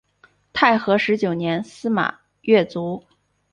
太和十九年司马跃卒。